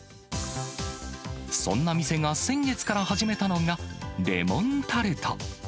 そんな店が先月から始めたのが、レモンタルト。